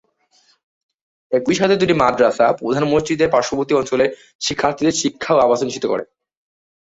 একসাথে এই দুটি মাদ্রাসা, প্রধান মসজিদের পার্শ্ববর্তী অঞ্চলের শিক্ষার্থীদের শিক্ষা ও আবাসন নিশ্চিত করে।